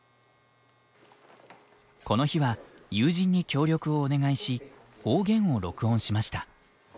この日は友人に協力をお願いし方言を録音しました。